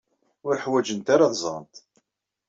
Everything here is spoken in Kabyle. Ur ḥwajent ara ad ẓrent.